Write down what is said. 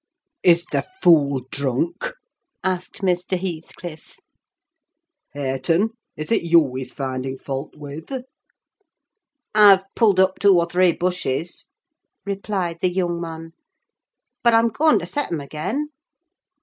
"Is the fool drunk?" asked Mr. Heathcliff. "Hareton, is it you he's finding fault with?" "I've pulled up two or three bushes," replied the young man; "but I'm going to set 'em again."